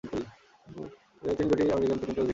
তিনি দুটি American patent এর অধিকারী।